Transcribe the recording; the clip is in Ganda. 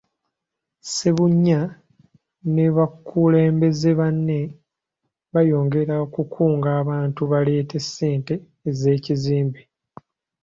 Ssebunya ne bakulembeze banne baayongera okukunga abantu baleete ssente ez’ekizimbe.